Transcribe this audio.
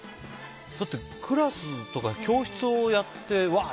だって、クラスとか教室をやってワー！